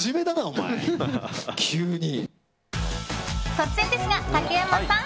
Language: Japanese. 突然ですが、竹山さん！